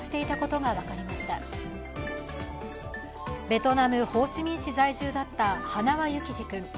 ベトナム・ホーチミン市在住だった塙幸士君。